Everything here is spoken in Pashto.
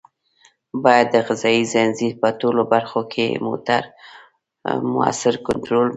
باید د غذایي ځنځیر په ټولو برخو کې مؤثر کنټرول وي.